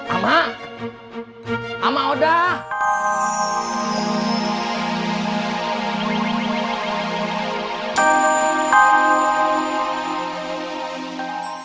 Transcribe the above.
amak amak udah